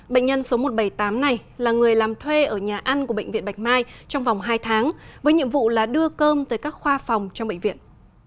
bệnh nhân số một trăm bảy mươi tám này là người làm thuê ở nhà ăn của bệnh viện bạch mai trong vòng hai tháng với nhiệm vụ là đưa cơm tới các khoa phòng trong bệnh viện